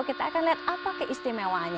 kita akan lihat apa keistimewaannya